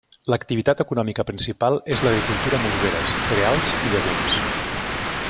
L'activitat econòmica principal és l'agricultura amb oliveres, cereals i llegums.